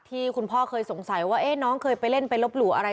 ที่คุณพ่อเคยสงสัยว่าน้องเคยไปเล่นไปลบหลู่อะไร